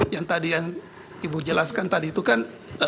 yang tadi yang ibu jelaskan tadi itu kan